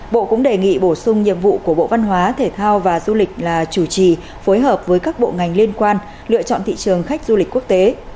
bộ cũng đề nghị bổ sung nhiệm vụ của bộ văn hóa thể thao và du lịch là chủ trì phối hợp với các bộ ngành liên quan lựa chọn thị trường khách du lịch quốc tế